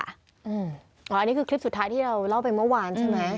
อันนี้คือคลิปสุดท้ายที่เราเล่าไปเมื่อวานใช่ไหม